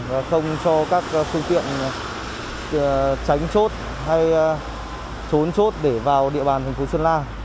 và không cho các phương tiện tránh chốt hay trốn chốt để vào địa bàn thành phố sơn la